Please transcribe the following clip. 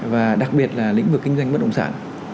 và đặc biệt là lĩnh vực kinh doanh bất động sản